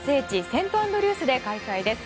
セントアンドリュースで開催です。